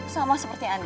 sama seperti anda